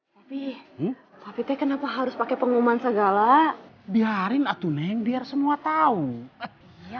tapi tapi teh kenapa harus pakai pengumuman segala biarin atuh neng biar semua tahu ya